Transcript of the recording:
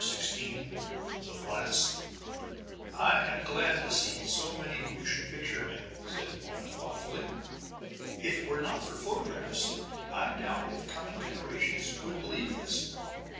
XVI THE BLAST "I am glad to see so many moving picture men," said Mona thoughtfully. "If it were not for photographs, I doubt if coming generations would believe this."